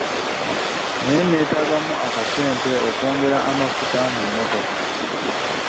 Naye neetagamu akassente okwongera amafuta mu mmotoka.